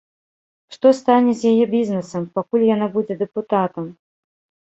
Што стане з яе бізнесам, пакуль яна будзе дэпутатам?